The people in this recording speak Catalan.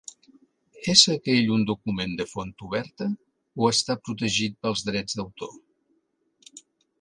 És aquell un document de font oberta o està protegit pels drets d'autor?